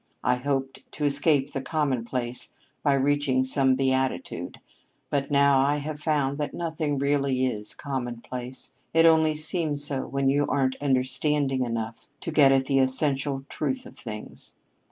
I hoped to escape the commonplace by reaching some beatitude, but now I have found that nothing really is commonplace. It only seems so when you aren't understanding enough to get at the essential truth of things."